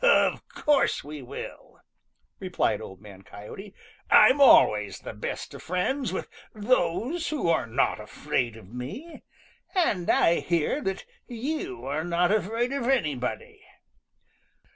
"Of course we will," replied Old Man Coyote. "I'm always the best of friends with those who are not afraid of me, and I hear that you are not afraid of anybody."